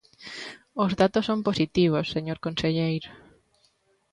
Os datos son positivos, señor conselleiro.